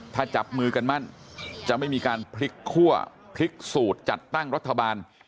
ถ้าจับมือกันมั่นจะไม่มีการพลิกคั่วพลิกสูตรจัดตั้งรัฐบาล